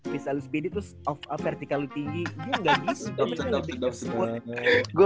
misalnya speedy terus vertikal lu tinggi